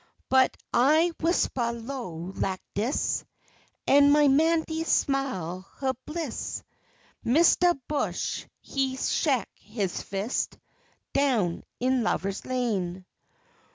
But I whispahs low lak dis, An' my 'Mandy smile huh bliss Mistah Bush he shek his fis', Down in lovah's lane.